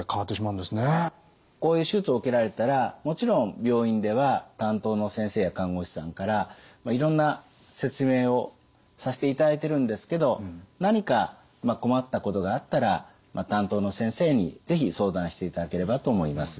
こういう手術を受けられたらもちろん病院では担当の先生や看護師さんからいろんな説明をさせていただいてるんですけど何か困ったことがあったら担当の先生に是非相談していただければと思います。